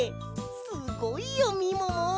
すごいよみもも！